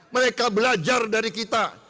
mereka belajar dari kita